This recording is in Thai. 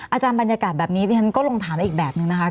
อาจารย์บรรยากาศแบบนี้ดิฉันก็ลองถามได้อีกแบบนึงนะคะ